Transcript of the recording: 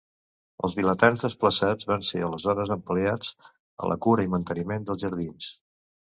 Els vilatans desplaçats van ser aleshores empleats en la cura i el manteniment dels jardins.